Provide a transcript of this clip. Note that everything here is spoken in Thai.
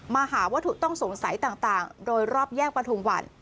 หาวัตถุต้องสงสัยต่างโดยรอบแยกประทุมวัน